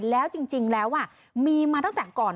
แล้วจริงแล้วมีมาตั้งแต่ก่อน